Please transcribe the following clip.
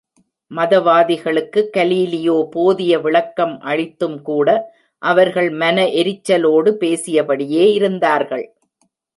மதவாதிகளுக்குக் Galileo போதிய விளக்கம் அளித்தும்கூட, அவர்கள் மன எரிச்சலோடு பேசியபடியே இருந்தார்கள்.